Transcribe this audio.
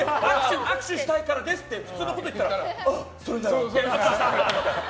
握手したいからですって普通のこと言ったらあ、それならって。